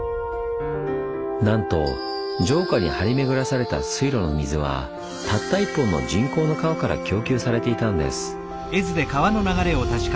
なんと城下に張り巡らされた水路の水はたった１本の人工の川から供給されていたんです。